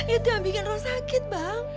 itu yang bikin roh sakit bang